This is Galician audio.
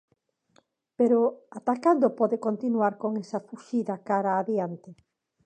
Pero, ata cando pode continuar con esa fuxida cara a adiante?